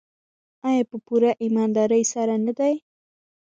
آیا په پوره ایمانداري سره نه دی؟